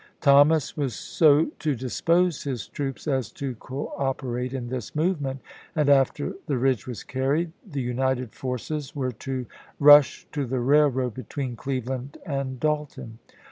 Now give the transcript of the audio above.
Thomas was so to dispose his troops as to cooperate in this movement, and after the ridge was carried the united forces were to rush to the railroad between Cleveland and Dalton.